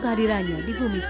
dan kehadirannya di bumi sosok